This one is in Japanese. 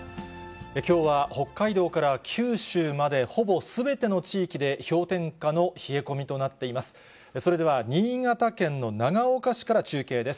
きょうは北海道から九州まで、ほぼすべての地域で氷点下の冷え込みとなっています。